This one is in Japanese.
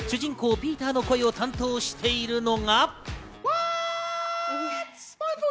ピーターの声を担当しているのが。